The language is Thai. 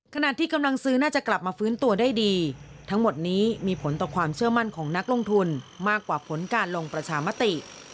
ขณะที่กำลังซื้อน่าจะกลับมาฟื้นตัวได้ดีทั้งหมดนี้มีผลต่อความเชื่อมั่นของนักลงทุนมากกว่าผลการลงประชามติ